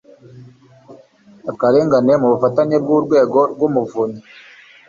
akarengane mu bufatanye bw urwego rw'umuvunyi